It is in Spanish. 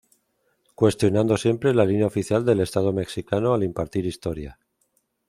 Cuestionando siempre la línea oficial del Estado Mexicano al impartir historia.